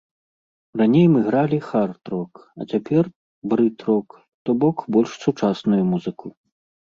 Раней мы гралі хард-рок, а цяпер брыт-рок, то бок больш сучасную музыку.